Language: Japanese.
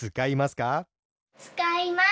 つかいます。